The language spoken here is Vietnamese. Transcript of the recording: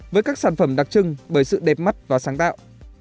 với các sản phẩm đặc trưng bởi sự đẹp mắt và sáng tạo